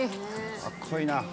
かっこいいな。